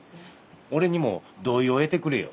俺にも同意を得てくれよ。